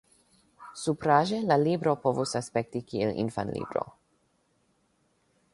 Supraĵe la libro povus aspekti kiel infanlibro.